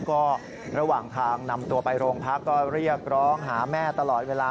ก็ระหว่างทางนำตัวไปโรงพักก็เรียกร้องหาแม่ตลอดเวลา